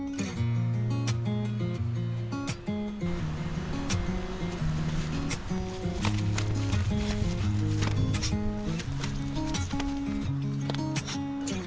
di santajges tengah par bloody hamre